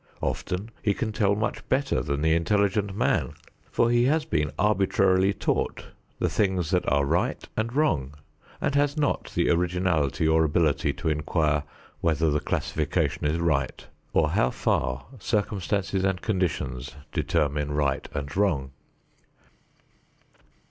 Often he can tell much better than the intelligent man, for he has been arbitrarily taught the things that are right and wrong and has not the originality or ability to inquire whether the classification is right or how far circumstances and conditions determine right and wrong.